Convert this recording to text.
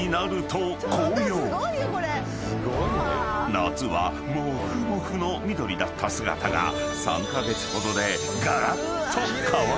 ［夏はもふもふの緑だった姿が３カ月ほどでがらっと変わるのだ］